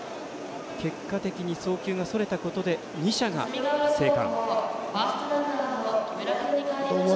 結果的に送球がそれたことで２者が生還。